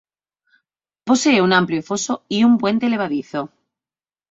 Posee un amplio foso y un puente levadizo.